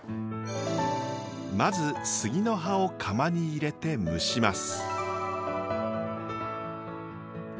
まず杉の葉を釜に入れて蒸します。